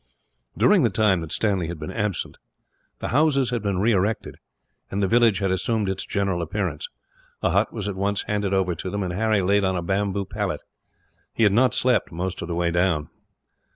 During the time that Stanley had been absent, the houses had been re erected, and the village had assumed its general appearance. A hut was at once handed over to them, and Harry laid on a bamboo pallet. He had not slept, most of the way down.